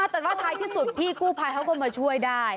แต่ว่าท้ายที่สุดพี่กู้ภัยเขาก็มาช่วยได้